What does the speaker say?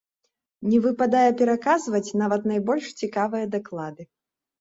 Не выпадае пераказаць нават найбольш цікавыя даклады.